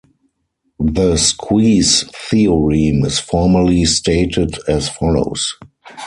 The squeeze theorem is formally stated as follows.